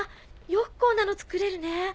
よくこんなの作れるね。